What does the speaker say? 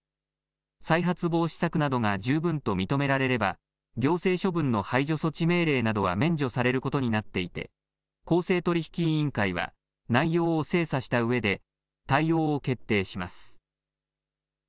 再発防止策などが十分と認められれば行政処分の排除措置命令などは免除されることになっていて公正取引委員会は内容を精査したうえで対応を決定します。